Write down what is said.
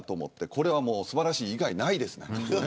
これは素晴らしい以外ないですね。